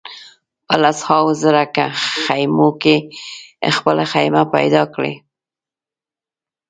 په لسهاوو زره خېمو کې خپله خېمه پیدا کړي.